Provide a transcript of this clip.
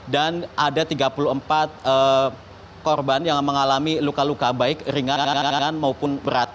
dan ada tiga puluh empat korban yang mengalami luka luka baik ringan maupun berat